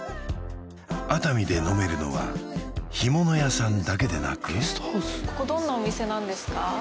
熱海で飲めるのは干物屋さんだけでなくここどんなお店なんですか？